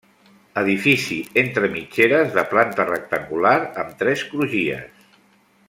Edifici entre mitgeres de planta rectangular amb tres crugies.